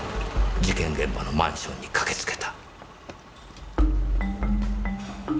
事件現場のマンションに駆けつけた。